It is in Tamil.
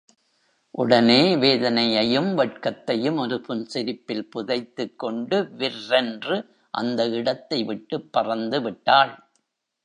உடனே வேதனையையும், வெட்கத்தையும் ஒரு புன்சிரிப்பில் புதைத்துக் கொண்டு விர் ரென்று அந்த இடத்தை விட்டுப் பறந்து விட்டாள்.